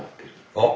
あっ。